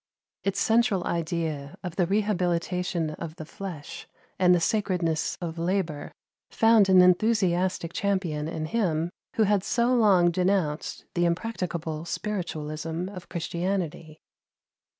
Its central idea of the rehabilitation of the flesh, and the sacredness of labor, found an enthusiastic champion in him who had so long denounced the impracticable spiritualism of Christianity.